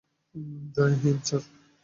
Joy Hind, sir!